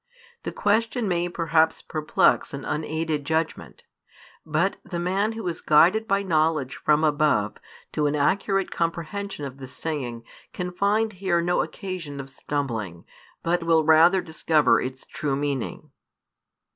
The question may perhaps perplex an unaided judgment; but the man who is guided by knowledge from above to an accurate comprehension of the saying can find here no occasion of stumbling, but will rather discover its true meaning.